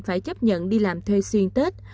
phải chấp nhận đi làm thuê xuyên tết